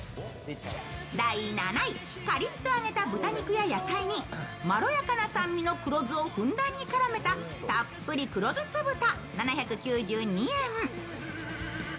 カリッと揚げた豚肉や野菜にまろやかな酸味の黒酢をふんだんに絡めたたっぷり黒酢酢豚。